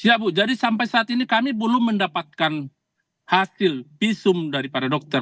ya bu jadi sampai saat ini kami belum mendapatkan hasil visum dari para dokter